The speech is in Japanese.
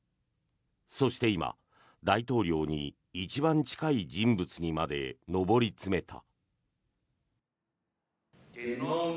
そして今、大統領に一番近い人物にまで上り詰めた。